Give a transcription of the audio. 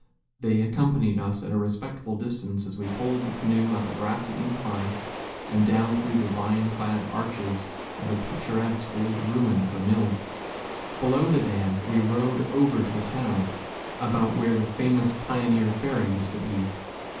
They accompanied us, at a respectful distance, as we pulled the canoe up a grassy incline and down through the vine clad arches of a picturesque old ruin of a mill. Below the dam, we rowed over to the town, about where the famous pioneer ferry used to be.